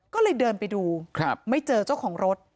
ก็เลยเดินไปดูไม่เจอเจ้าของรถ